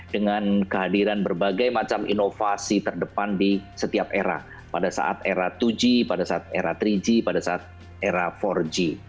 dengan kehadiran berbagai macam inovasi terdepan di setiap era pada saat era dua g pada saat era tiga g pada saat era empat g